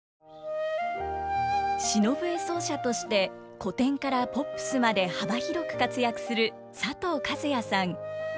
篠笛奏者として古典からポップスまで幅広く活躍する佐藤和哉さん。